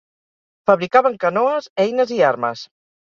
Fabricaven canoes, eines i armes.